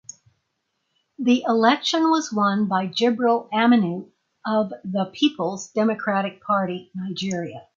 The election was won by Jibril Aminu of the Peoples Democratic Party (Nigeria).